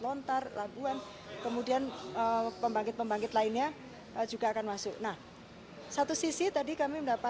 lontar labuan kemudian pembangkit pembangkit lainnya juga akan masuk nah satu sisi tadi kami mendapatkan